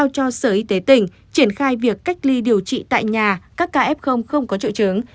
cho sở y tế tỉnh triển khai việc cách ly điều trị tại nhà các ca f không có triệu chứng